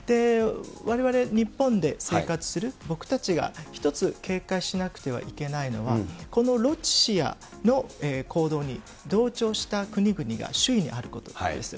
われわれ日本で生活する僕たちが１つ警戒しなくてはいけないのは、このロシアの行動に同調した国々が周囲にあることです。